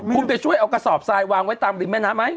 คุณไปช่วยเอากระสอบทรายวางไว้ตามริมแม่น้ำไหม